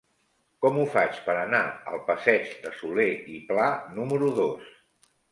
Com ho faig per anar al passeig de Solé i Pla número dos?